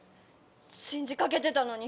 信じかけてたのに。